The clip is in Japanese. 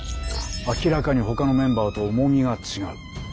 明らかにほかのメンバーと重みが違う。